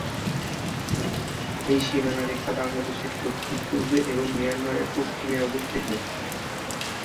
এই সীমানা রেখা বাংলাদেশের দক্ষিণ-পূর্বে এবং মিয়ানমারের পশ্চিমে অবস্থিত।